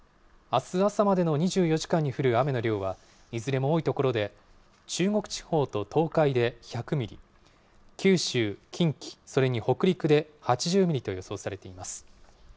あす朝までの２４時間に降る雨の量は、いずれも多い所で、中国地方と東海で１００ミリ、九州、近畿、それに北陸で８０ミリと予想されています。